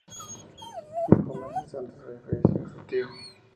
Cinco meses antes había fallecido su tío.